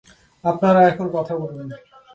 আপনারা এখন কথা বলুন।